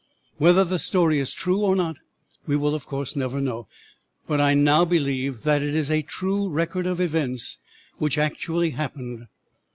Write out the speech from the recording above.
Whether the story is true or not we will, of course, never know, but I now believe that it is a true record of events which actually happened.